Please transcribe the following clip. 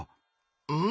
うん？